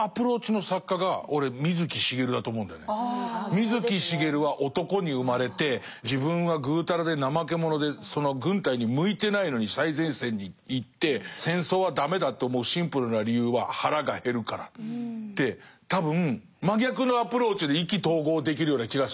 水木しげるは男に生まれて自分はぐうたらで怠け者で軍隊に向いてないのに最前線に行って戦争は駄目だと思うシンプルな理由は腹が減るからって多分真逆のアプローチで意気投合できるような気がするの。